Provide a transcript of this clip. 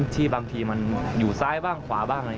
ที่บางทีมันอยู่ซ้ายบ้างขวาบ้างอะไร